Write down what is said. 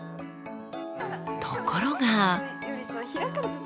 ところが。